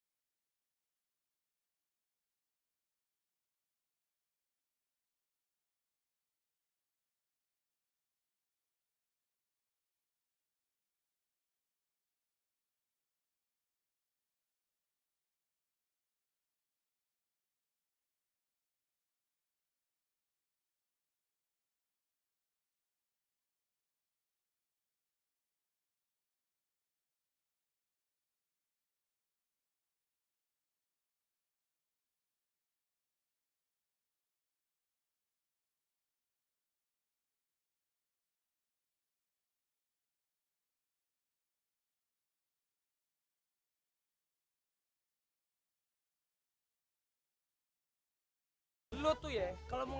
ada yang hemen